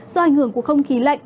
do ảnh hưởng của không khí lạnh